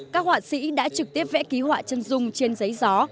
các họa sĩ đã trực tiếp vẽ ký họa chân dung trên giấy gió